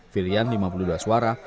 firian lima puluh dua suara